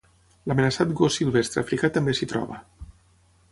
L'amenaçat gos silvestre africà també s'hi troba.